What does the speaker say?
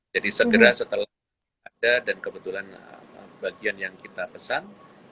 jadi segera setelah ada dan kebetulan bagian yang kita pesan